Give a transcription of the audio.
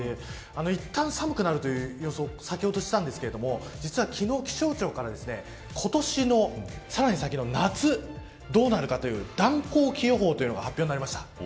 いったん寒くなるという予想を先ほどしたんですが実は昨日、気象庁から今年のさらに先の夏、どうなるかという暖候期予報というのが発表になりました。